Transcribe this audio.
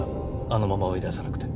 あのまま追い出さなくて。